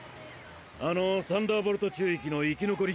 あのサンダーボルト宙域の生き残り。